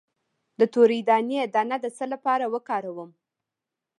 د تورې دانې دانه د څه لپاره وکاروم؟